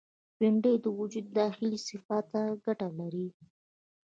بېنډۍ د وجود داخلي صفا ته ګټه لري